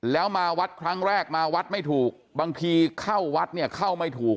แล้วมาวัดครั้งแรกมาวัดไม่ถูกบางทีเข้าวัดเนี่ยเข้าไม่ถูก